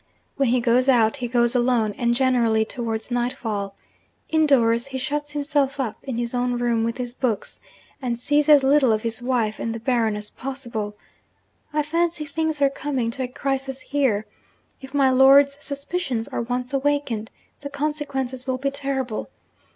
When he goes out, he goes alone, and generally towards nightfall. Indoors, he shuts himself up in his own room with his books, and sees as little of his wife and the Baron as possible. I fancy things are coming to a crisis here. If my lord's suspicions are once awakened, the consequences will be terrible.